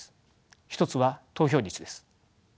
一つは投票率です。